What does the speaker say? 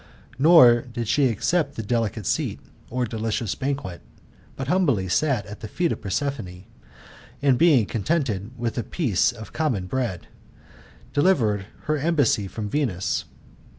Nor did she accept the delicate seat, or delicious banquet; but humbly sat at the feet of Prosperine, and being contented with a piece of common bread, delivered her embassy from Venus.